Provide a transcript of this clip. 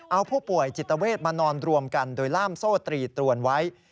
เอาผู้ป่วยจิตเวทมานอนรวมกันโดยล่ามโซ่ตรีตรวนไว้